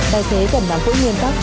tài xế cần đảm bảo nguyên tắc